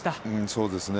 そうですね